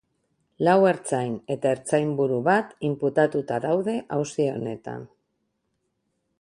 Lau ertzain eta ertzainburu bat inputatuta daude auzi honetan.